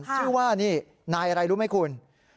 ชื่อว่านี่นายอะไรรู้ไหมคุณ